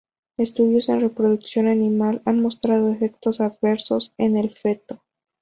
Estudios en reproducción animal han mostrado efectos adversos en el feto.